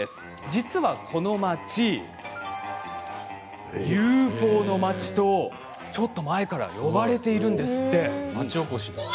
実はこの町、ＵＦＯの町とちょっと前から呼ばれているんですって。